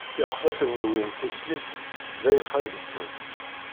Iqeffafen yuwin tislit ddayxa ggten.